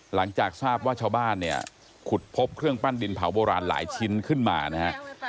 หลังจากทราบว่าชาวบ้านเนี่ยขุดพบเครื่องปั้นดินเผาโบราณหลายชิ้นขึ้นมานะฮะ